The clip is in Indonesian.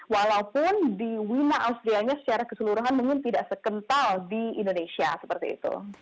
walaupun di wima austrianya secara keseluruhan mungkin tidak sekental di indonesia seperti itu